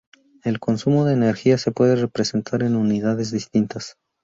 El consumo de energía se puede representar en unidades distintas.